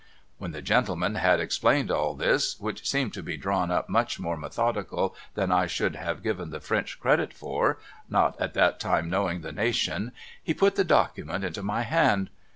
When the gentleman had explained all this, which seemed to be drawn up much more methodical than I should have given the French credit for, not at that time knowing the nation, he ])ut the document into my hand.